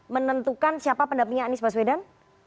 menentukan siapa pendampingnya anies baswedan